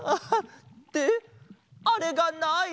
ってあれがない？